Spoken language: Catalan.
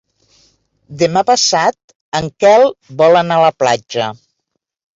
Demà passat en Quel vol anar a la platja.